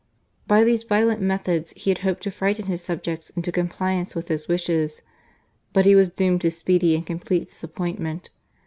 By these violent methods he had hoped to frighten his subjects into compliance with his wishes, but he was doomed to speedy and complete disappointment.